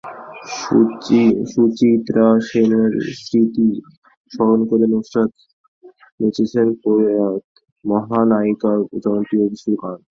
সুচিত্রা সেনের স্মৃতি স্মরণ করে নুসরাত নেচেছেন প্রয়াত মহানায়িকার জনপ্রিয় কিছু গানে।